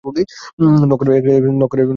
Knock করে আসবে।